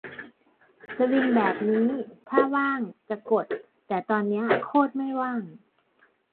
สวิงแบบนี้ถ้าว่างจะกด แต่ตอนนี้โคตรไม่ว่าง